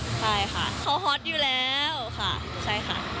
ใช่ค่ะเขาฮอตอยู่แล้วค่ะใช่ค่ะ